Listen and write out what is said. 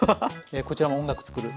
こちらも音楽作る。